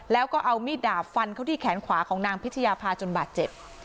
แล้วก็เอามีดดาบฟันเขาที่แขนขวาของนางพิชยาภาจนบาดเจ็บ